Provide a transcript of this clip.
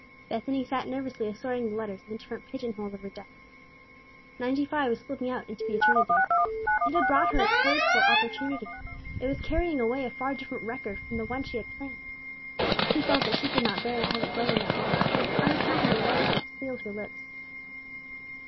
Bethany sat nervously assorting the letters in the different pigeon holes of her desk. Ninety five was slipping out into the eternities. It had brought her a prayed for opportunity; it was carrying away a far different record from the one she had planned. She felt that she could not bear to have it go in that way, yet an unaccountable reticence sealed her lips.